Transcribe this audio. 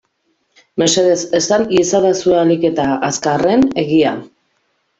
Mesedez esan iezadazue ahalik eta azkarren egia.